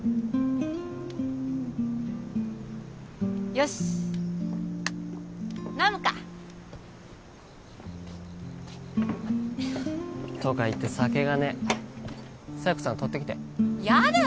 よしっ飲むかとか言って酒がねえ佐弥子さん取ってきてやだよ